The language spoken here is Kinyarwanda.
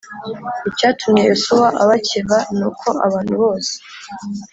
Icyatumye Yosuwa abakeba ni uko abantu bose